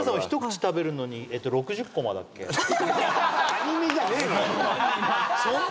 アニメじゃねえのよ。